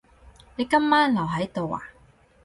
你今晚留喺度呀？